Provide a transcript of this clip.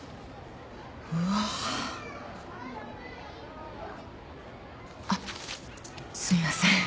うわ。あっすみません。